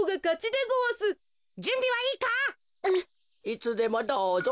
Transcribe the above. いつでもどうぞ。